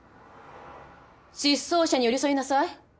失踪者に寄り添いなさい。